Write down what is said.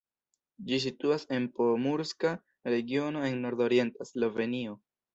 Ĝi situas en Pomurska regiono en nordorienta Slovenio.